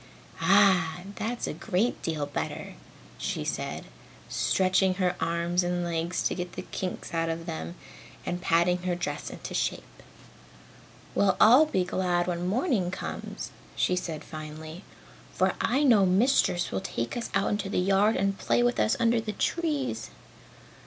"Ah, that's a great deal better!" she said, stretching her arms and legs to get the kinks out of them, and patting her dress into shape. "Well, I'll be glad when morning comes!" she said finally, "for I know Mistress will take us out in the yard and play with us under the trees."